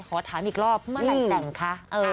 ขอถามอีกรอบเมื่อไหร่แต่งคะ